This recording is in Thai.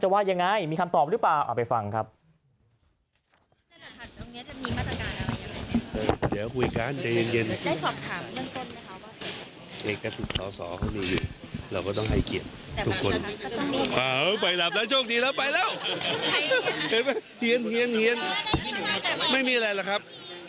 ช่วยแล้วไปเร็วไม่มีอะไรหรอกครับ